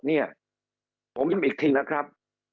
เร็วครับ